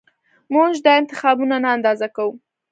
موږ دا انتخابونه نه اندازه کوو